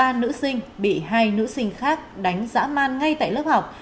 ba nữ sinh bị hai nữ sinh khác đánh dã man ngay tại lớp học